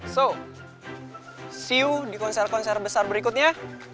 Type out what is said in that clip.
so see you di konser konser besar berikutnya